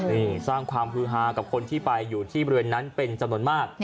นี่สร้างความฮือฮากับคนที่ไปอยู่ที่บริเวณนั้นเป็นจำนวนมาก